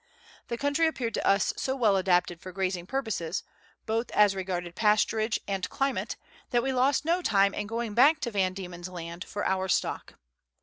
The country appeared to us so Letters from Victorian Pioneers. 207 well adapted for grazing purposes, both as regarded pasturage and climate, that we lost no time in going back to Van Diemen's Land for our stock.